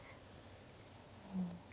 うん。